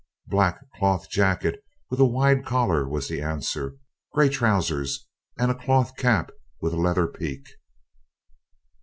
"Black cloth jacket, with a wide collar," was the answer; "grey trousers, and a cloth cap with a leather peak."